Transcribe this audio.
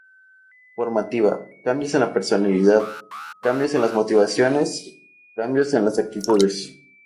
Formativa: cambios en la personalidad, cambios en las motivaciones, cambios en las actitudes.